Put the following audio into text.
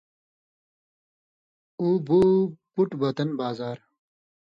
او بو بُٹ وطن بازار